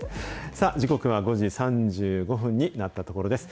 さあ、時刻は５時３５分になったところです。